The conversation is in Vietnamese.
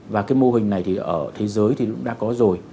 và cái mô hình này thì ở thế giới thì cũng đã có rồi